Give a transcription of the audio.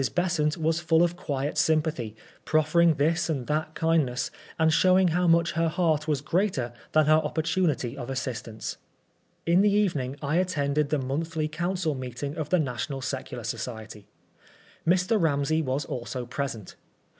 Besant was full of quiet sym pathy, proffering this and that kindness, and showing how much her heart was greater than her opportunity of assistance. In the evening I attended the monthly Council meet* 62 PBISONEB FOB BLASPHEMY. ing of the National Secular Society. Mr. Ramsey was also present.